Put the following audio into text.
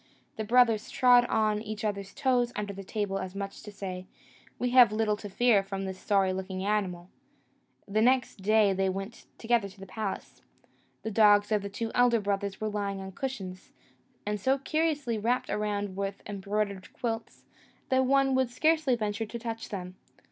The brothers trod on each other's toes under the table, as much as to say, "We have little to fear from this sorry looking animal." The next day they went together to the palace. The dogs of the two elder brothers were lying on cushions, and so curiously wrapped around with embroidered quilts, that one would scarcely venture to touch them.